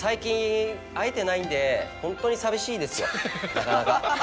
なかなか。